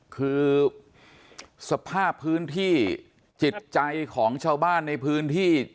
คือสภาพพื้นที่จิตใจของชาวบ้านในพื้นที่